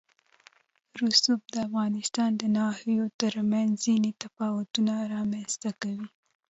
رسوب د افغانستان د ناحیو ترمنځ ځینې تفاوتونه رامنځ ته کوي.